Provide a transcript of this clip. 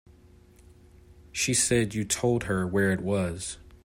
She said you told her where it was.